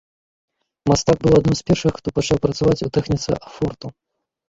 Мастак быў адным з першых, хто пачаў працаваць у тэхніцы афорту.